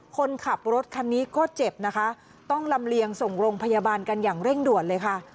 คนขับรถคันนี้ก็เจ็บนะคะต้องลำเลียงส่งโรงพยาบาลกันอย่างเร่งด่วนเลยค่ะ